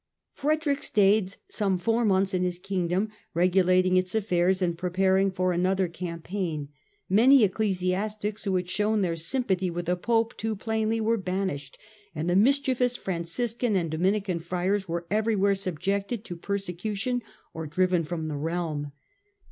Frederick stayed some four months in his Kingdom, regulating its affairs and preparing for another campaign. Many ecclesiastics who had shown their sympathy with the Pope too plainly were banished, and the mis chievous Franciscan and Dominican friars were every where subjected to persecution or driven from the realm.